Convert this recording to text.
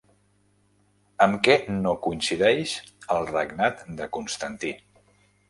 Amb què no coincideix el regnat de Constantí?